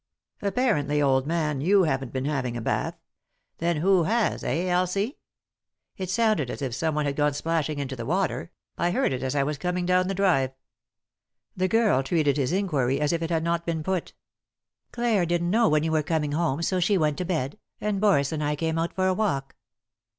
"Apparently, old man, yon haven't been having a bath. Then who has — eh, Elsie ? It sounded as if someone had gone splashing into the water ; I heard it as I was coming down the drive." The girl treated his inquiry as if it had not been put " Clare didn't know when you were coming home, so she went to bed ; and Boris and I came out for a walk."